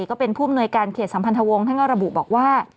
ก็เป็นผู้อำนวยการเขตสัมพันธวงศ์ท่านก็ระบุบอกว่า